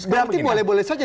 berarti boleh boleh saja